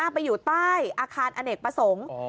ไปอยู่ใต้อาคารอเนกประสงค์